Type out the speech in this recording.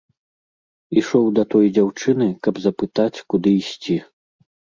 Ішоў да той дзяўчыны, каб запытаць, куды ісці.